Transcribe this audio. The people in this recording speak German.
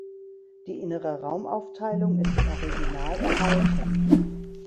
Die innere Raumaufteilung ist im Original erhalten.